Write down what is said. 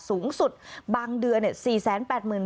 สูงสุดบางเดือน